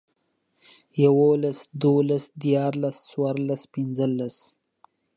يوولس، دوولس، ديارلس، څوارلس، پينځلس